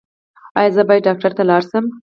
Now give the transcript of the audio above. ایا زه باید ډاکټر ته لاړ شم؟